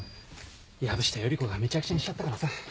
藪下依子がめちゃくちゃにしちゃったからさ。